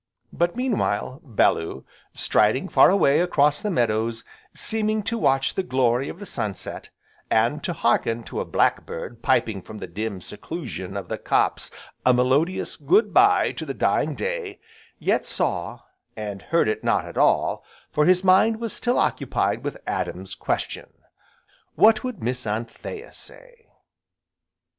But, meanwhile, Bellew, striding far away across the meadows, seeming to watch the glory of the sun set, and to hearken to a blackbird piping from the dim seclusion of the copse a melodious "Good bye" to the dying day, yet saw, and heard it not at all, for his mind was still occupied with Adam's question: "What would Miss Anthea say?"